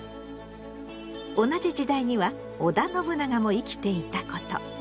同じ時代には織田信長も生きていたこと。